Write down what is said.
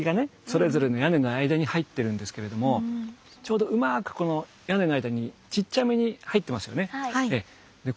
それぞれの屋根の間に入ってるんですけれどもちょうどうまくこの屋根の間にちっちゃめに入ってますよね。